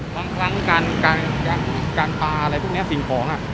บางครั้งการปลาอะไรพวกนี้สิ่งของ